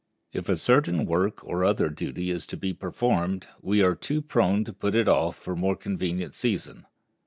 If a certain work or other duty is to be performed, we are too prone to put it off for a more convenient season.